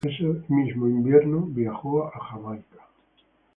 Ese mismo invierno viajó a Jamaica.